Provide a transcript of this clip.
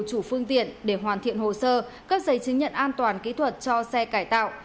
chủ phương tiện để hoàn thiện hồ sơ cấp giấy chứng nhận an toàn kỹ thuật cho xe cải tạo